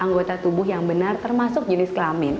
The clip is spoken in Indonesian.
anggota tubuh yang benar termasuk jenis kelamin